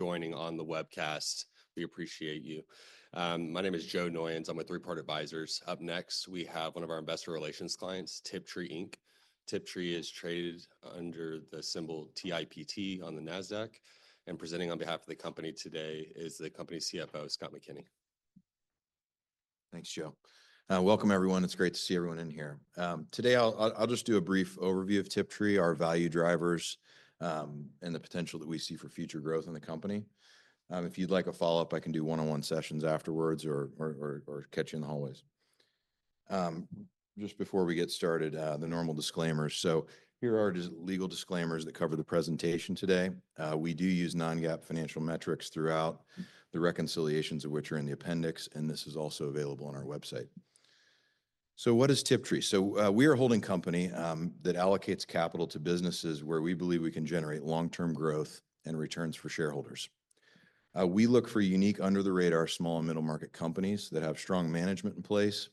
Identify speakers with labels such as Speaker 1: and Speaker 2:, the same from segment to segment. Speaker 1: Joining on the webcast. We appreciate you. My name is Joe Noyons. I'm with Three Part Advisors. Up next, we have one of our investor relations clients, Tiptree Inc. Tiptree is traded under the symbol TIPT on the Nasdaq, and presenting on behalf of the company today is the company's CFO, Scott McKinney.
Speaker 2: Thanks, Joe. Welcome, everyone. It's great to see everyone in here. Today, I'll just do a brief overview of Tiptree, our value drivers, and the potential that we see for future growth in the company. If you'd like a follow-up, I can do one-on-one sessions afterwards or catch you in the hallways. Just before we get started, the normal disclaimers. So here are just legal disclaimers that cover the presentation today. We do use non-GAAP financial metrics throughout, the reconciliations of which are in the appendix, and this is also available on our website. So what is Tiptree? So we are a holding company that allocates capital to businesses where we believe we can generate long-term growth and returns for shareholders. We look for unique under-the-radar small and middle-market companies that have strong management in place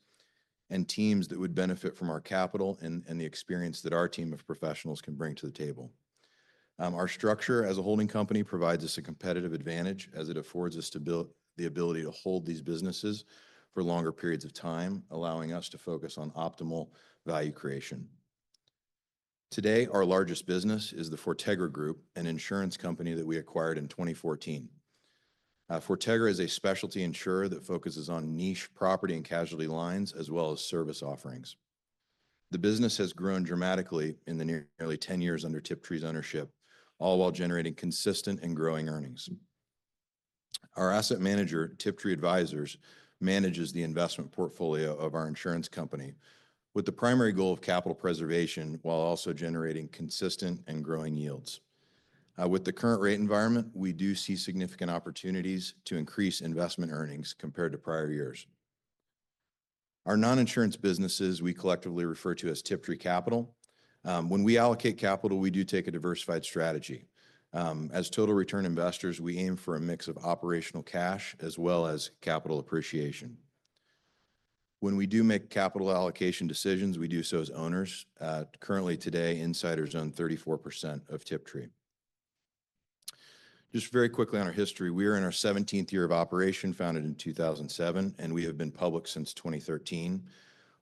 Speaker 2: and teams that would benefit from our capital and the experience that our team of professionals can bring to the table. Our structure as a holding company provides us a competitive advantage as it affords us the ability to hold these businesses for longer periods of time, allowing us to focus on optimal value creation. Today, our largest business is the Fortegra Group, an insurance company that we acquired in 2014. Fortegra is a specialty insurer that focuses on niche property and casualty lines as well as service offerings. The business has grown dramatically in the nearly 10 years under Tiptree's ownership, all while generating consistent and growing earnings. Our asset manager, Tiptree Advisors, manages the investment portfolio of our insurance company with the primary goal of capital preservation while also generating consistent and growing yields. With the current rate environment, we do see significant opportunities to increase investment earnings compared to prior years. Our non-insurance businesses, we collectively refer to as Tiptree Capital. When we allocate capital, we do take a diversified strategy. As total return investors, we aim for a mix of operational cash as well as capital appreciation. When we do make capital allocation decisions, we do so as owners. Currently, today, insiders own 34% of Tiptree. Just very quickly on our history, we are in our 17th year of operation, founded in 2007, and we have been public since 2013.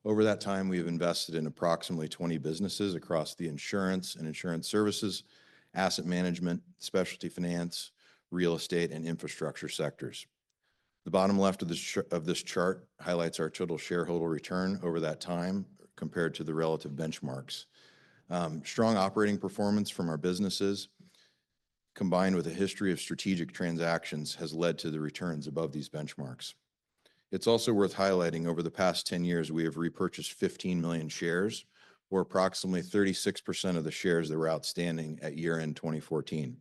Speaker 2: Over that time, we have invested in approximately 20 businesses across the insurance and insurance services, asset management, specialty finance, real estate, and infrastructure sectors. The bottom left of this chart highlights our total shareholder return over that time compared to the relative benchmarks. Strong operating performance from our businesses, combined with a history of strategic transactions, has led to the returns above these benchmarks. It's also worth highlighting, over the past 10 years, we have repurchased 15 million shares, or approximately 36% of the shares that were outstanding at year-end 2014.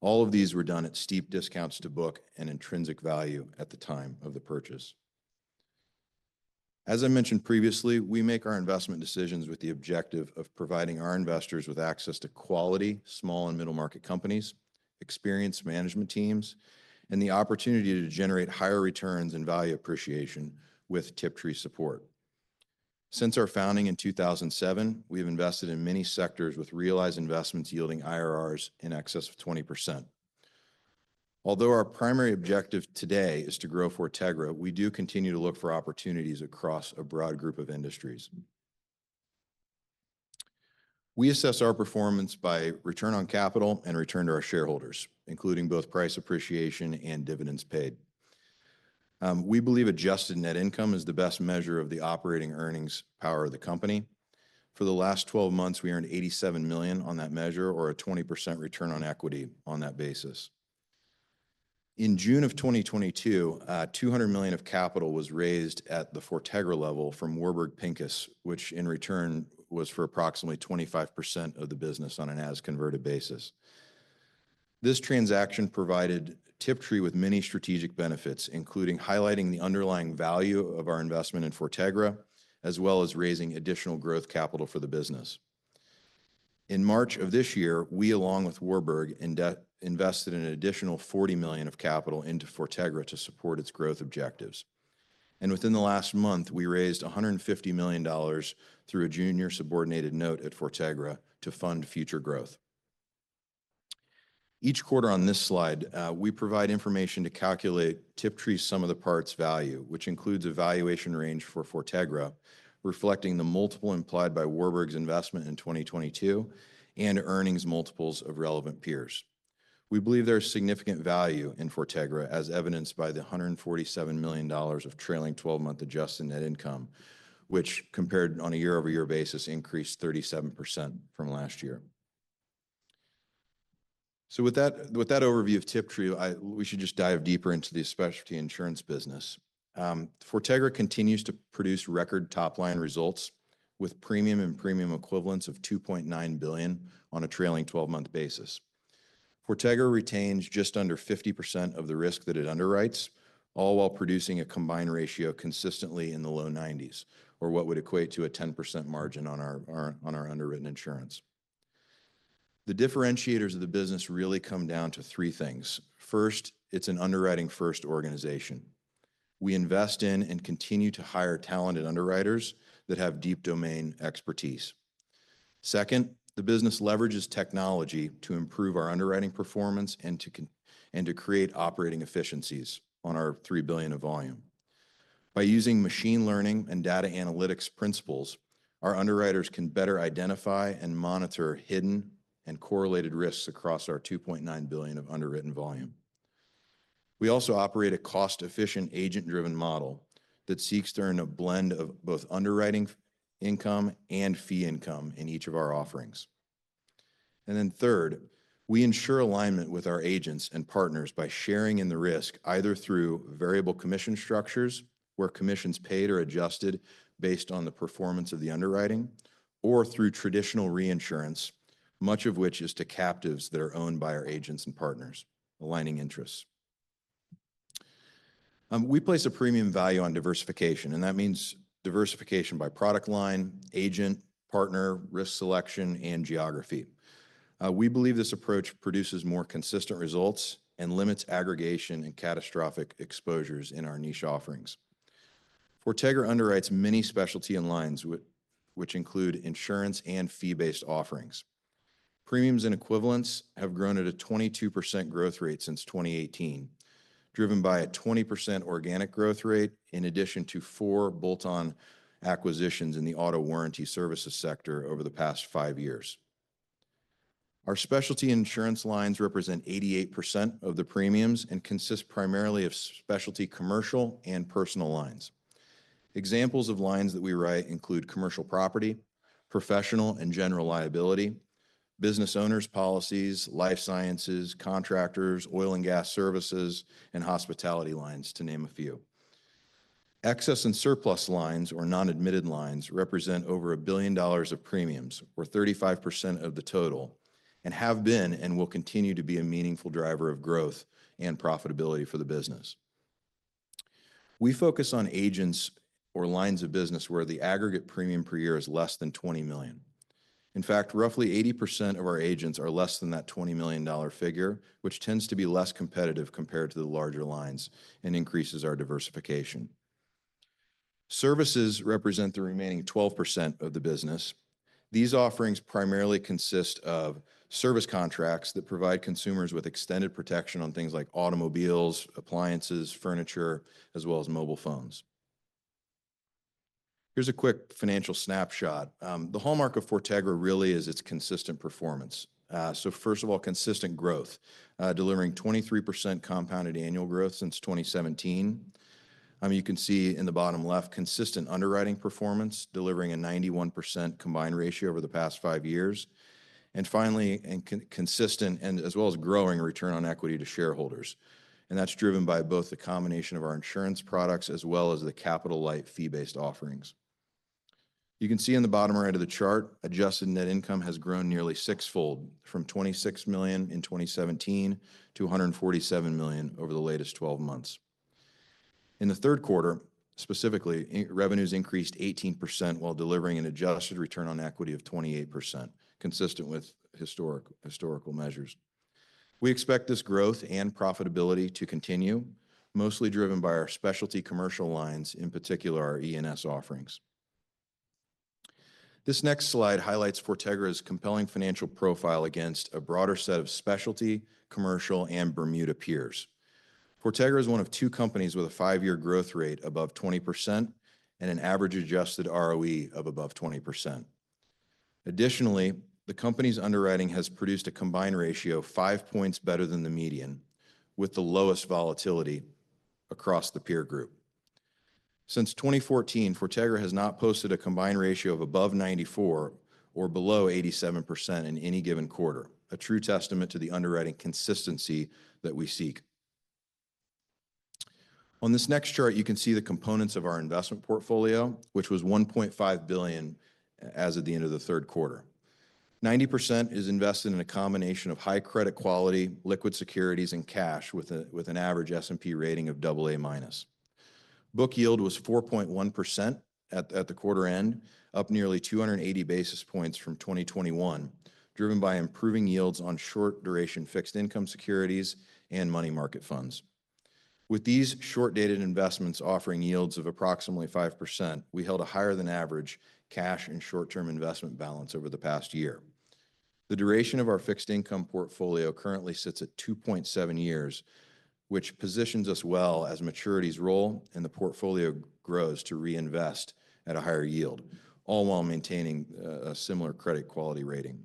Speaker 2: All of these were done at steep discounts to book and intrinsic value at the time of the purchase. As I mentioned previously, we make our investment decisions with the objective of providing our investors with access to quality small and middle-market companies, experienced management teams, and the opportunity to generate higher returns and value appreciation with Tiptree support. Since our founding in 2007, we have invested in many sectors with realized investments yielding IRRs in excess of 20%. Although our primary objective today is to grow Fortegra, we do continue to look for opportunities across a broad group of industries. We assess our performance by return on capital and return to our shareholders, including both price appreciation and dividends paid. We believe adjusted net income is the best measure of the operating earnings power of the company. For the last 12 months, we earned $87 million on that measure, or a 20% return on equity on that basis. In June of 2022, $200 million of capital was raised at the Fortegra level from Warburg Pincus, which in return was for approximately 25% of the business on an as-converted basis. This transaction provided Tiptree with many strategic benefits, including highlighting the underlying value of our investment in Fortegra, as well as raising additional growth capital for the business. In March of this year, we, along with Warburg, invested an additional $40 million of capital into Fortegra to support its growth objectives, and within the last month, we raised $150 million through a junior subordinated note at Fortegra to fund future growth. Each quarter on this slide, we provide information to calculate Tiptree's sum of the parts value, which includes a valuation range for Fortegra, reflecting the multiples implied by Warburg's investment in 2022 and earnings multiples of relevant peers. We believe there is significant value in Fortegra, as evidenced by the $147 million of trailing 12-month adjusted net income, which, compared on a year-over-year basis, increased 37% from last year, so with that overview of Tiptree, we should just dive deeper into the specialty insurance business. Fortegra continues to produce record top-line results with premium and premium equivalents of $2.9 billion on a trailing 12-month basis. Fortegra retains just under 50% of the risk that it underwrites, all while producing a combined ratio consistently in the low 90s, or what would equate to a 10% margin on our underwritten insurance. The differentiators of the business really come down to three things. First, it's an underwriting-first organization. We invest in and continue to hire talented underwriters that have deep domain expertise. Second, the business leverages technology to improve our underwriting performance and to create operating efficiencies on our $3 billion of volume. By using machine learning and data analytics principles, our underwriters can better identify and monitor hidden and correlated risks across our $2.9 billion of underwritten volume. We also operate a cost-efficient, agent-driven model that seeks to earn a blend of both underwriting income and fee income in each of our offerings. And then third, we ensure alignment with our agents and partners by sharing in the risk either through variable commission structures, where commissions paid are adjusted based on the performance of the underwriting, or through traditional reinsurance, much of which is to captives that are owned by our agents and partners, aligning interests. We place a premium value on diversification, and that means diversification by product line, agent, partner, risk selection, and geography. We believe this approach produces more consistent results and limits aggregation and catastrophic exposures in our niche offerings. Fortegra underwrites many specialty lines, which include insurance and fee-based offerings. Premiums and equivalents have grown at a 22% growth rate since 2018, driven by a 20% organic growth rate, in addition to four bolt-on acquisitions in the auto warranty services sector over the past five years. Our specialty insurance lines represent 88% of the premiums and consist primarily of specialty commercial and personal lines. Examples of lines that we write include commercial property, professional and general liability, business owners' policies, life sciences, contractors, oil and gas services, and hospitality lines, to name a few. Excess and surplus lines, or non-admitted lines, represent over $1 billion of premiums, or 35% of the total, and have been and will continue to be a meaningful driver of growth and profitability for the business. We focus on agents or lines of business where the aggregate premium per year is less than $20 million. In fact, roughly 80% of our agents are less than that $20 million figure, which tends to be less competitive compared to the larger lines and increases our diversification. Services represent the remaining 12% of the business. These offerings primarily consist of service contracts that provide consumers with extended protection on things like automobiles, appliances, furniture, as well as mobile phones. Here's a quick financial snapshot. The hallmark of Fortegra really is its consistent performance. So first of all, consistent growth, delivering 23% compounded annual growth since 2017. You can see in the bottom left, consistent underwriting performance, delivering a 91% combined ratio over the past five years. And finally, consistent and as well as growing return on equity to shareholders. And that's driven by both the combination of our insurance products as well as the capital-light fee-based offerings. You can see in the bottom right of the chart, adjusted net income has grown nearly sixfold from $26 million in 2017 to $147 million over the latest 12 months. In the third quarter, specifically, revenues increased 18% while delivering an adjusted return on equity of 28%, consistent with historical measures. We expect this growth and profitability to continue, mostly driven by our specialty commercial lines, in particular our E&S offerings. This next slide highlights Fortegra's compelling financial profile against a broader set of specialty, commercial, and Bermuda peers. Fortegra is one of two companies with a five-year growth rate above 20% and an average adjusted ROE of above 20%. Additionally, the company's underwriting has produced a combined ratio five points better than the median, with the lowest volatility across the peer group. Since 2014, Fortegra has not posted a combined ratio of above 94% or below 87% in any given quarter, a true testament to the underwriting consistency that we seek. On this next chart, you can see the components of our investment portfolio, which was $1.5 billion as of the end of the third quarter. 90% is invested in a combination of high credit quality, liquid securities, and cash with an average S&P rating of AA-. Book yield was 4.1% at the quarter-end, up nearly 280 basis points from 2021, driven by improving yields on short-duration fixed income securities and money market funds. With these short-dated investments offering yields of approximately 5%, we held a higher-than-average cash and short-term investment balance over the past year. The duration of our fixed income portfolio currently sits at 2.7 years, which positions us well as maturities roll and the portfolio grows to reinvest at a higher yield, all while maintaining a similar credit quality rating.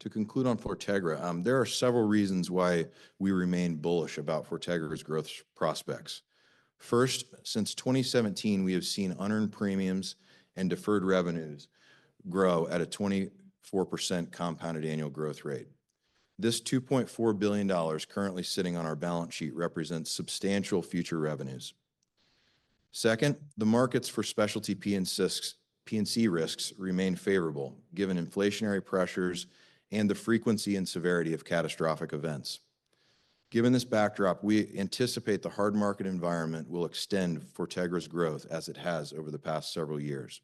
Speaker 2: To conclude on Fortegra, there are several reasons why we remain bullish about Fortegra's growth prospects. First, since 2017, we have seen unearned premiums and deferred revenues grow at a 24% compounded annual growth rate. This $2.4 billion currently sitting on our balance sheet represents substantial future revenues. Second, the markets for specialty P&C risks remain favorable, given inflationary pressures and the frequency and severity of catastrophic events. Given this backdrop, we anticipate the hard market environment will extend Fortegra's growth as it has over the past several years.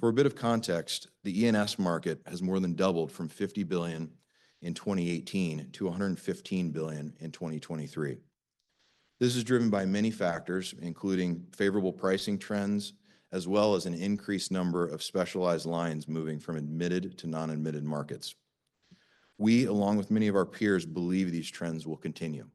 Speaker 2: For a bit of context, the E&S market has more than doubled from $50 billion in 2018 to $115 billion in 2023. This is driven by many factors, including favorable pricing trends, as well as an increased number of specialized lines moving from admitted to non-admitted markets. We, along with many of our peers, believe these trends will continue.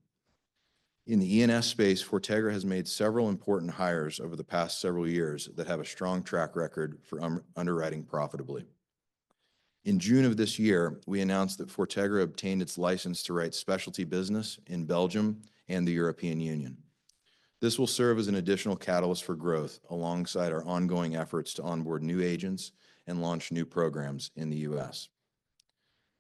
Speaker 2: In the E&S space, Fortegra has made several important hires over the past several years that have a strong track record for underwriting profitably. In June of this year, we announced that Fortegra obtained its license to write specialty business in Belgium and the European Union. This will serve as an additional catalyst for growth alongside our ongoing efforts to onboard new agents and launch new programs in the U.S.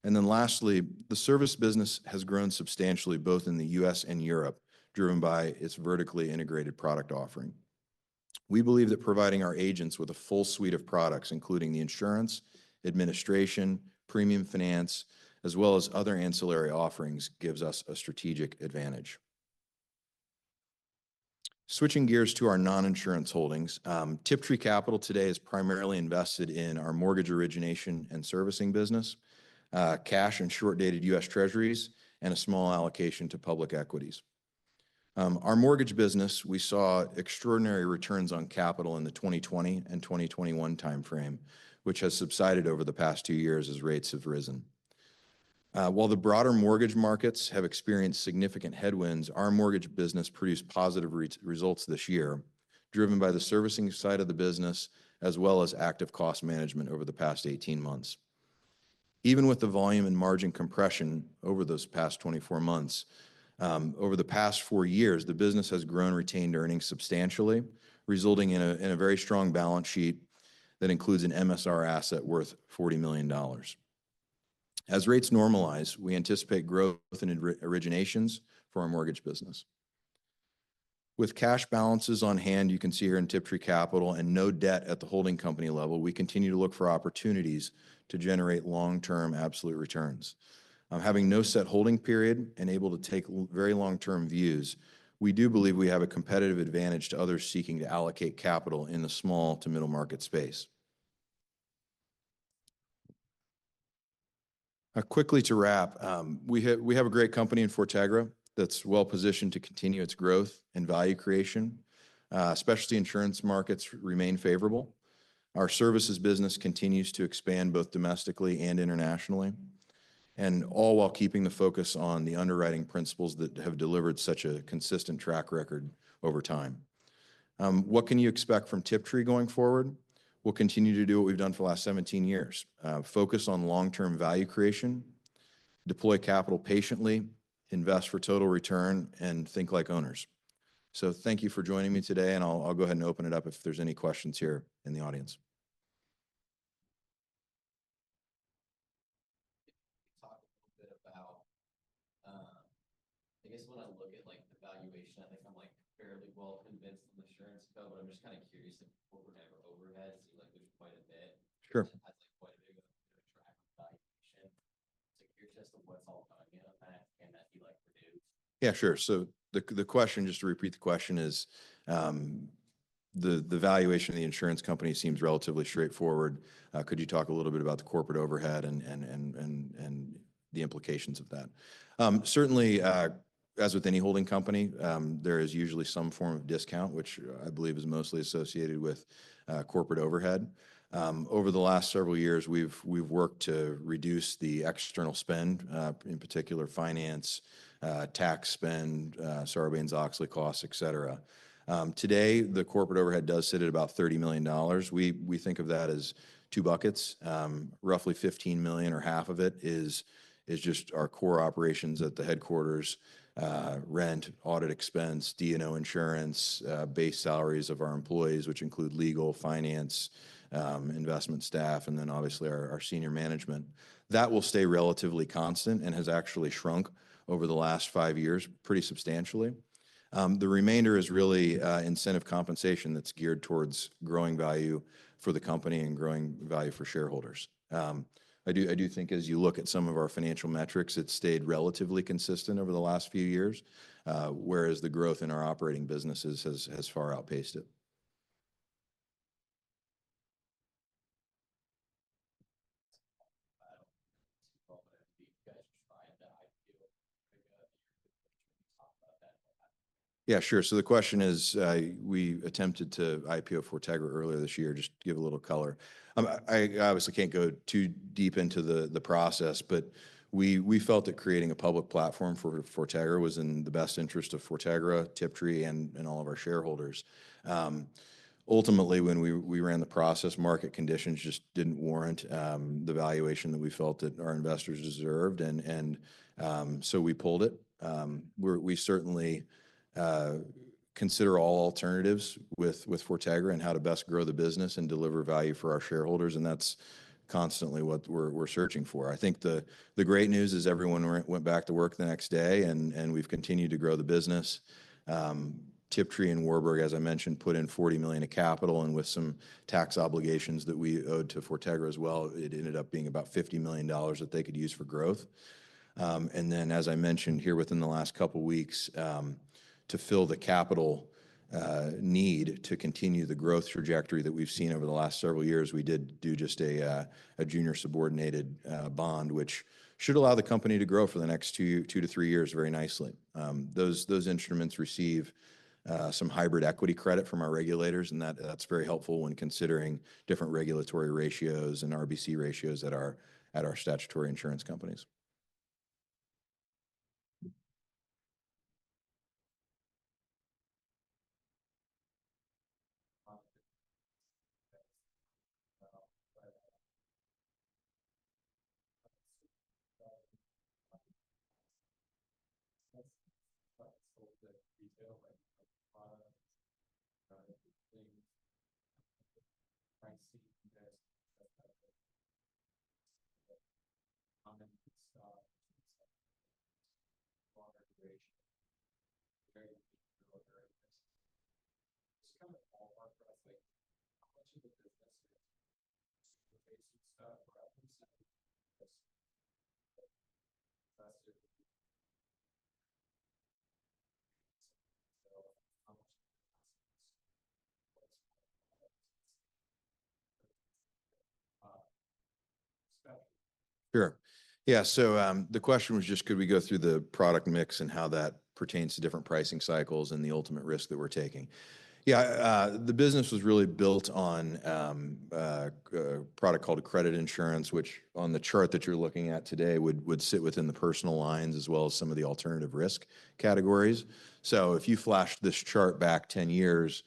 Speaker 2: And then lastly, the service business has grown substantially both in the U.S. and Europe, driven by its vertically integrated product offering. We believe that providing our agents with a full suite of products, including the insurance, administration, premium finance, as well as other ancillary offerings, gives us a strategic advantage. Switching gears to our non-insurance holdings, Tiptree Capital today is primarily invested in our mortgage origination and servicing business, cash and short-dated U.S. Treasuries, and a small allocation to public equities. Our mortgage business, we saw extraordinary returns on capital in the 2020 and 2021 timeframe, which has subsided over the past two years as rates have risen. While the broader mortgage markets have experienced significant headwinds, our mortgage business produced positive results this year, driven by the servicing side of the business as well as active cost management over the past 18 months. Even with the volume and margin compression over those past 24 months, over the past four years, the business has grown retained earnings substantially, resulting in a very strong balance sheet that includes an MSR asset worth $40 million. As rates normalize, we anticipate growth in originations for our mortgage business. With cash balances on hand, you can see here in Tiptree Capital and no debt at the holding company level, we continue to look for opportunities to generate long-term absolute returns. Having no set holding period and able to take very long-term views, we do believe we have a competitive advantage to others seeking to allocate capital in the small to middle market space. Quickly to wrap, we have a great company in Fortegra that's well-positioned to continue its growth and value creation. Specialty insurance markets remain favorable. Our services business continues to expand both domestically and internationally, and all while keeping the focus on the underwriting principles that have delivered such a consistent track record over time. What can you expect from Tiptree going forward? We'll continue to do what we've done for the last 17 years: focus on long-term value creation, deploy capital patiently, invest for total return, and think like owners. So thank you for joining me today, and I'll go ahead and open it up if there's any questions here in the audience. Talk a little bit about, I guess when I look at the valuation, I think I'm fairly well-convinced on the insurance, but I'm just kind of curious if we're done for overheads? Sure. Yeah, sure. So the question, just to repeat the question, is the valuation of the insurance company seems relatively straightforward. Could you talk a little bit about the corporate overhead and the implications of that? Certainly, as with any holding company, there is usually some form of discount, which I believe is mostly associated with corporate overhead. Over the last several years, we've worked to reduce the external spend, in particular finance, tax spend, Sarbanes-Oxley costs, etc. Today, the corporate overhead does sit at about $30 million. We think of that as two buckets. Roughly $15 million, or half of it, is just our core operations at the headquarters: rent, audit expense, D&O insurance, base salaries of our employees, which include legal, finance, investment staff, and then obviously our senior management. That will stay relatively constant and has actually shrunk over the last five years pretty substantially. The remainder is really incentive compensation that's geared towards growing value for the company and growing value for shareholders. I do think as you look at some of our financial metrics, it's stayed relatively consistent over the last few years, whereas the growth in our operating businesses has far outpaced it. Yeah, sure. So the question is, we attempted to IPO Fortegra earlier this year, just to give a little color. I obviously can't go too deep into the process, but we felt that creating a public platform for Fortegra was in the best interest of Fortegra, Tiptree, and all of our shareholders. Ultimately, when we ran the process, market conditions just didn't warrant the valuation that we felt that our investors deserved, and so we pulled it. We certainly consider all alternatives with Fortegra and how to best grow the business and deliver value for our shareholders, and that's constantly what we're searching for. I think the great news is everyone went back to work the next day, and we've continued to grow the business. Tiptree and Warburg, as I mentioned, put in $40 million of capital, and with some tax obligations that we owed to Fortegra as well, it ended up being about $50 million that they could use for growth. And then, as I mentioned here, within the last couple of weeks, to fill the capital need to continue the growth trajectory that we've seen over the last several years, we did do just a junior subordinated bond, which should allow the company to grow for the next two to three years very nicely. Those instruments receive some hybrid equity credit from our regulators, and that's very helpful when considering different regulatory ratios and RBC ratios at our statutory insurance companies. Sure. Yeah. So the question was just, could we go through the product mix and how that pertains to different pricing cycles and the ultimate risk that we're taking? Yeah. The business was really built on a product called credit insurance, which on the chart that you're looking at today would sit within the personal lines as well as some of the alternative risk categories. So if you flash this chart back 10 years,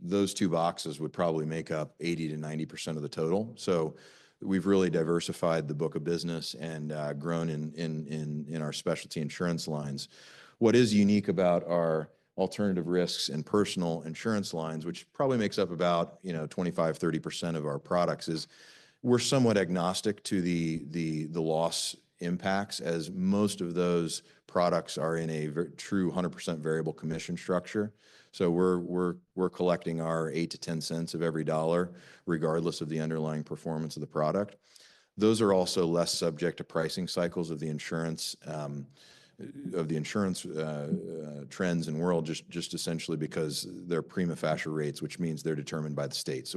Speaker 2: those two boxes would probably make up 80%-90% of the total. So we've really diversified the book of business and grown in our specialty insurance lines. What is unique about our alternative risks and personal insurance lines, which probably makes up about 25%-30% of our products, is we're somewhat agnostic to the loss impacts as most of those products are in a true 100% variable commission structure. We're collecting our 8-10 cents of every dollar, regardless of the underlying performance of the product. Those are also less subject to pricing cycles of the insurance trends and world, just essentially because they're prima facie rates, which means they're determined by the state.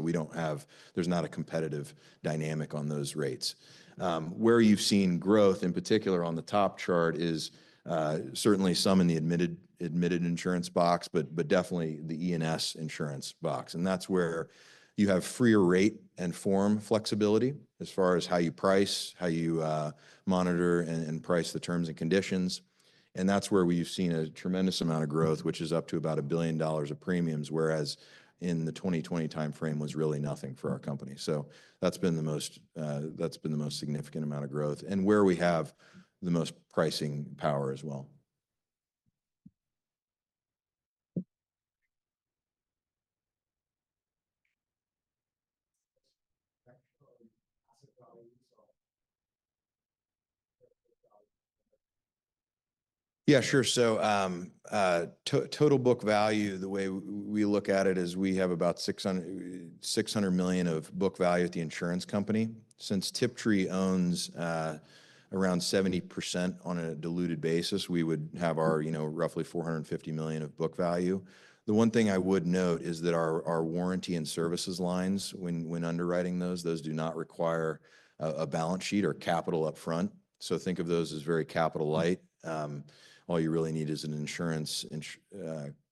Speaker 2: There's not a competitive dynamic on those rates. Where you've seen growth, in particular on the top chart, is certainly some in the admitted insurance box, but definitely the E&S insurance box. That's where you have freer rate and form flexibility as far as how you price, how you monitor and price the terms and conditions. That's where we've seen a tremendous amount of growth, which is up to about $1 billion of premiums, whereas in the 2020 timeframe was really nothing for our company. So that's been the most significant amount of growth and where we have the most pricing power as well. Yeah, sure. So total book value, the way we look at it is we have about $600 million of book value at the insurance company. Since Tiptree owns around 70% on a diluted basis, we would have our roughly $450 million of book value. The one thing I would note is that our warranty and services lines, when underwriting those, those do not require a balance sheet or capital upfront. So think of those as very capital light. All you really need is an insurance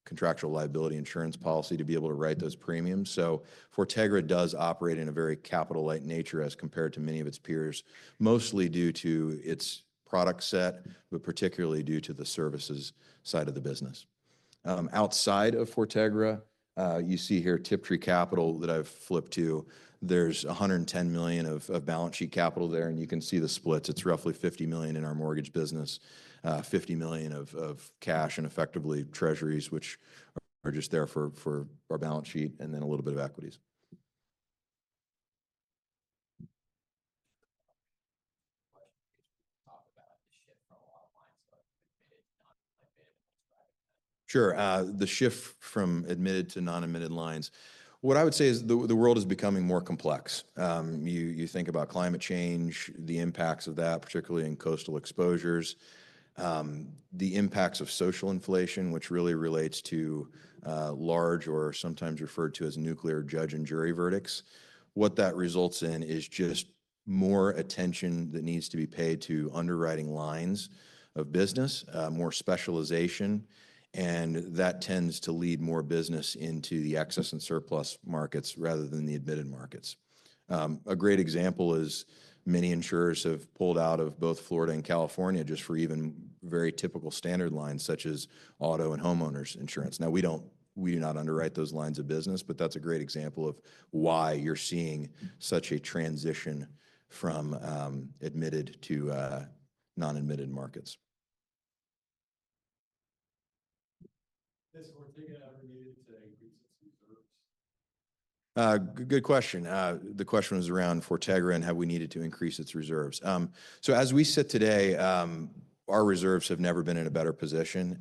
Speaker 2: contractual liability insurance policy to be able to write those premiums. So Fortegra does operate in a very capital light nature as compared to many of its peers, mostly due to its product set, but particularly due to the services side of the business. Outside of Fortegra, you see here Tiptree Capital that I've flipped to, there's $110 million of balance sheet capital there, and you can see the splits. It's roughly $50 million in our mortgage business, $50 million of cash and effectively treasuries, which are just there for our balance sheet and then a little bit of equities. Sure. The shift from admitted to non-admitted lines. What I would say is the world is becoming more complex. You think about climate change, the impacts of that, particularly in coastal exposures, the impacts of social inflation, which really relates to large or sometimes referred to as nuclear verdicts. What that results in is just more attention that needs to be paid to underwriting lines of business, more specialization, and that tends to lead more business into the excess and surplus markets rather than the admitted markets. A great example is many insurers have pulled out of both Florida and California just for even very typical standard lines such as auto and homeowners insurance. Now, we do not underwrite those lines of business, but that's a great example of why you're seeing such a transition from admitted to non-admitted markets. Good question. The question was around Fortegra and have we needed to increase its reserves. So as we sit today, our reserves have never been in a better position.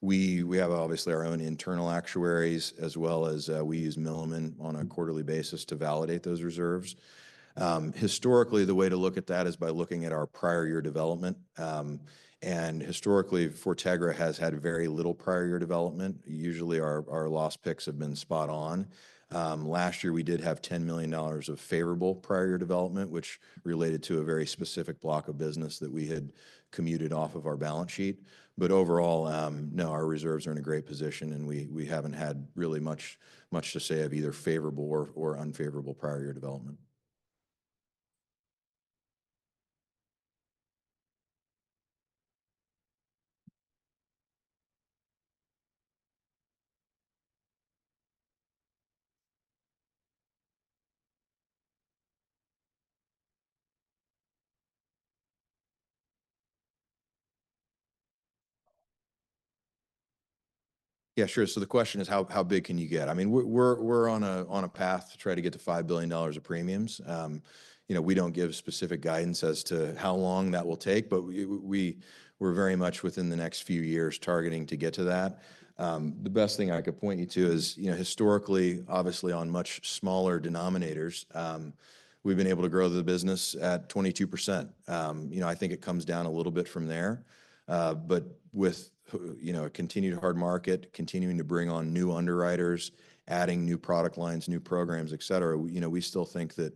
Speaker 2: We have obviously our own internal actuaries as well as we use Milliman on a quarterly basis to validate those reserves. Historically, the way to look at that is by looking at our prior year development. And historically, Fortegra has had very little prior year development. Usually, our loss picks have been spot on. Last year, we did have $10 million of favorable prior year development, which related to a very specific block of business that we had commuted off of our balance sheet. But overall, no, our reserves are in a great position, and we haven't had really much to say of either favorable or unfavorable prior year development. Yeah, sure. So the question is, how big can you get? I mean, we're on a path to try to get to $5 billion of premiums. We don't give specific guidance as to how long that will take, but we're very much within the next few years targeting to get to that. The best thing I could point you to is historically, obviously on much smaller denominators, we've been able to grow the business at 22%. I think it comes down a little bit from there, but with a continued hard market, continuing to bring on new underwriters, adding new product lines, new programs, et cetera, we still think that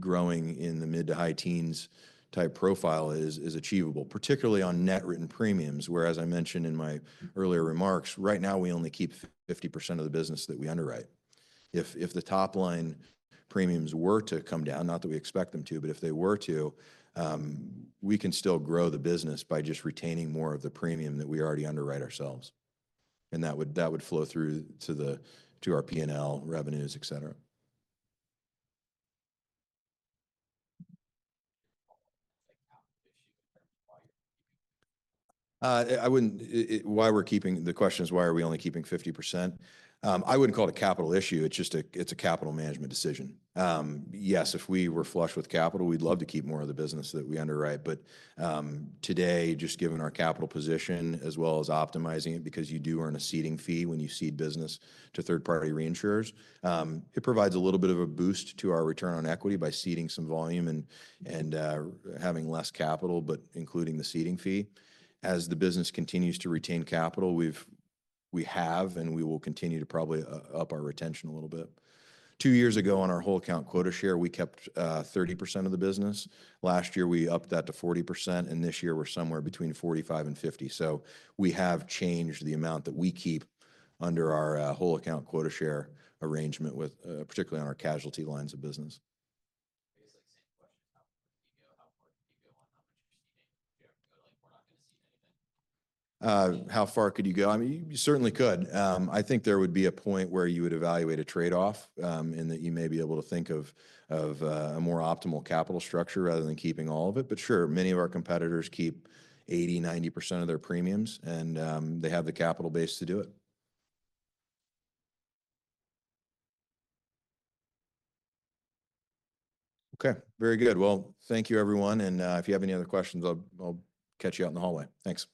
Speaker 2: growing in the mid to high teens type profile is achievable, particularly on net written premiums, where, as I mentioned in my earlier remarks, right now we only keep 50% of the business that we underwrite. If the top line premiums were to come down, not that we expect them to, but if they were to, we can still grow the business by just retaining more of the premium that we already underwrite ourselves, and that would flow through to our P&L revenues, et cetera. The question we're getting is, why are we only keeping 50%? I wouldn't call it a capital issue. It's a capital management decision. Yes, if we were flush with capital, we'd love to keep more of the business that we underwrite. But today, just given our capital position as well as optimizing it, because you do earn a ceding fee when you cede business to third-party reinsurers, it provides a little bit of a boost to our return on equity by ceding some volume and having less capital, but including the ceding fee. As the business continues to retain capital, we have and we will continue to probably up our retention a little bit. Two years ago, on our whole account quota share, we kept 30% of the business. Last year, we upped that to 40%, and this year we're somewhere between 45% and 50%. We have changed the amount that we keep under our whole account quota share arrangement, particularly on our casualty lines of business. How far could you go? I mean, you certainly could. I think there would be a point where you would evaluate a trade-off and that you may be able to think of a more optimal capital structure rather than keeping all of it. But sure, many of our competitors keep 80%-90% of their premiums, and they have the capital base to do it. Okay. Very good. Thank you, everyone. If you have any other questions, I'll catch you out in the hallway. Thanks.